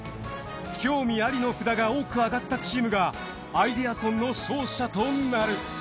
興味ありの札が多くあがったチームがアイデアソンの勝者となる。